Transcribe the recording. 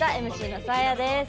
ＭＣのサーヤです。